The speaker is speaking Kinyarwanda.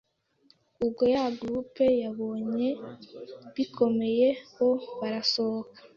Ubwo ya groupe yabonye bikomeye bo barasohoka